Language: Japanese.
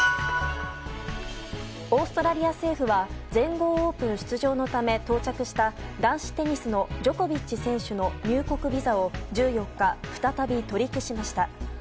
オーストラリア政府は全豪オープン出場のため到着した男子テニスのジョコビッチ選手の入国ビザを１４日再び取り消しました。